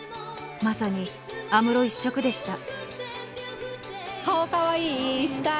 まさに安室一色でした。